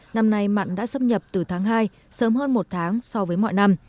năm nay mặn đã xâm nhập từ tháng hai sớm hơn một tháng so với mọi năm